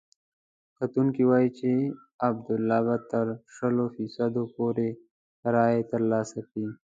کتونکي وايي چې عبدالله به تر شلو فیصدو پورې رایې ترلاسه کړي.